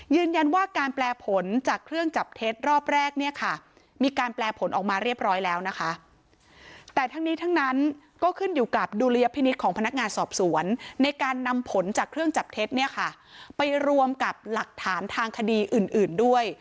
ยืนยันว่าการแปลผลจากเครื่องจับเท็จรอบแรกเนี่ยค่ะมีการแปลผลออกมาเรียบร้อยแล้วนะคะแต่ทั้งนี้ทั้งนั้นก็ขึ้นอยู่กับดุลยพินิษฐ์ของพนักงานสอบสวนในการนำผลจากเครื่องจับเท็จเนี่ยค่ะไปรวมกับหลักฐานทางคดีอื่นด้วย